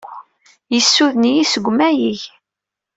Yessuden-iyi seg umayeg.